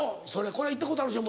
これ行ったことあるでしょ？